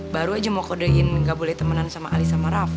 baru aja mau kodein gak boleh temenan sama ali sama raff